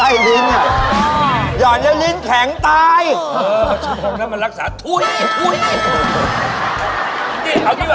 เออชื่อพวกนั้นมันรักษาทุ้ย